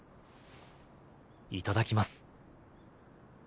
いただきます。